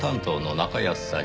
中安さん。